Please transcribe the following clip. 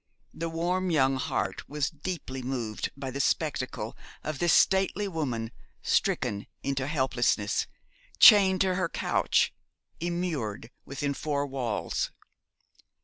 The warm young heart was deeply moved by the spectacle of this stately woman stricken into helplessness, chained to her couch, immured within four walls.